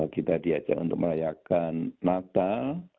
kita diajak untuk merayakan natal